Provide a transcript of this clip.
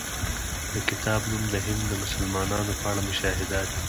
د کتاب نوم د هند د مسلمانانو په اړه مشاهدات دی.